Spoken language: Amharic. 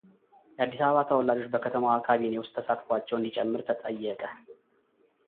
የአዲስ አበባ ተወላጆች በከተማዋ ካቢኔ ውስጥ ተሳትፏቸው እንዲጨምር ተጠየቀ